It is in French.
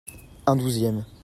Un douzième.